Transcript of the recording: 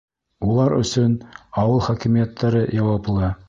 Улар өсөн ауыл хакимиәттәре яуаплы.